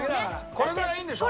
これぐらいいいんでしょ？